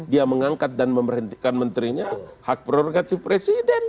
dia mengangkat dan memberhentikan menterinya hak prerogatif presiden